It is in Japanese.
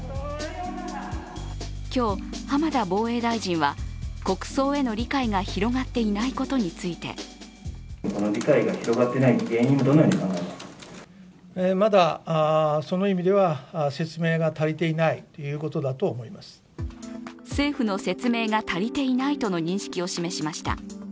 今日、浜田防衛大臣は国葬への理解が広がっていないことについて政府の説明が足りていないとの認識を示しました。